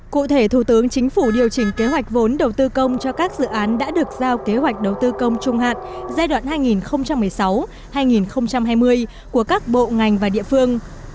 cụ thể thủ tướng chính phủ điều chỉnh kế hoạch vốn đầu tư công cho các dự án đã được giao kế hoạch đầu tư công trung hạn giai đoạn hai nghìn một mươi sáu hai nghìn hai mươi của các bộ ngành và địa phương